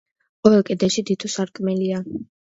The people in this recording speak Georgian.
ყოველ კედელში თითო სარკმელია.